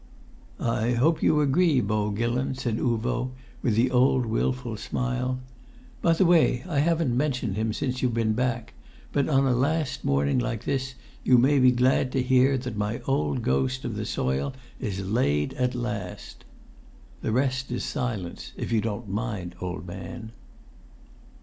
"I hope you agree, Beau Gillon?" said Uvo, with the old wilful smile. "By the way, I haven't mentioned him since you've been back, but on a last morning like this you may be glad to hear that my old ghost of the soil is laid at last.... The rest is silence, if you don't mind, old man."